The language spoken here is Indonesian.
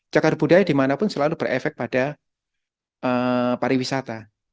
cakar budaya dimanapun selalu berefek pada pariwisata